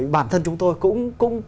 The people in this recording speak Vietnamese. bản thân chúng tôi cũng